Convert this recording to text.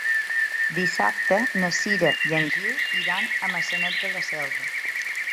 Dissabte na Cira i en Gil iran a Maçanet de la Selva.